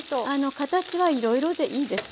形はいろいろでいいです。